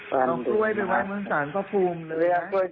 แล้วก็เอากล้วยเป็นว่ามันสารพระภูมิเลยนะ